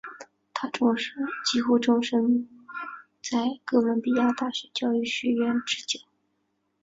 他几乎终生在哥伦比亚大学教育学院执教。